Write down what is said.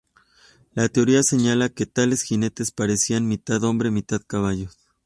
La teoría señala que tales jinetes parecerían mitad hombres mitad caballos.